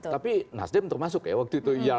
tapi nasdem termasuk ya waktu itu